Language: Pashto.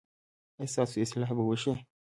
ایا ستاسو اصلاح به وشي؟